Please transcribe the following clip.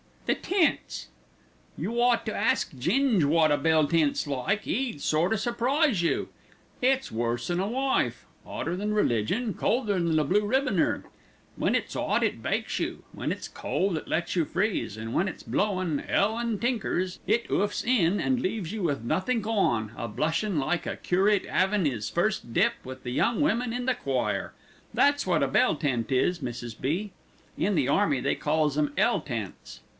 "The tents." "You ought to ask Ging wot a bell tent's like, 'e'd sort o' surprise you. It's worse'n a wife, 'otter than religion, colder than a blue ribboner. When it's 'ot it bakes you, when it's cold it lets you freeze, and when it's blowin' 'ell an' tinkers, it 'oofs it, an' leaves you with nothink on, a blushin' like a curate 'avin' 'is first dip with the young women in the choir. That's wot a bell tent is, Mrs. B. In the army they calls 'em 'ell tents."